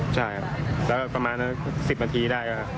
ใช่แล้วก็ประมาณ๑๐นาทีได้